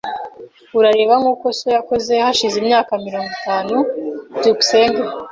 Urareba nkuko so yakoze hashize imyaka mirongo itatu. byukusenge